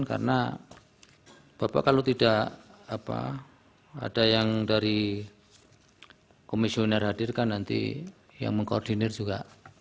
karena bapak kalau tidak ada yang dari komisioner hadir kan nanti yang mengkoordinir juga